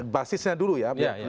basisnya dulu ya